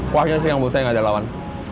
kuahnya sih yang buat saya nggak ada lawan